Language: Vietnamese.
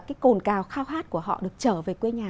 cái gào khao hát của họ được trở về quê nhà